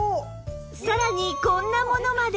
さらにこんなものまで